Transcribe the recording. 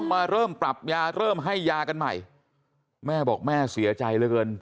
มาเริ่มปรับยาเริ่มให้ยากันใหม่แม่บอกแม่เสียใจเหลือเกิน